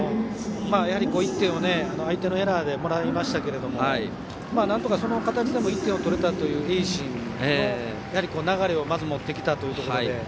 やはり１点を相手のエラーでもらいましたけどなんとかその形でも１点を取れたという盈進の流れをまず持ってきたということで。